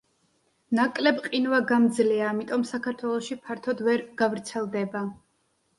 ნაკლებ ყინვაგამძლეა, ამიტომ საქართველოში ფართოდ ვერ გავრცელდება.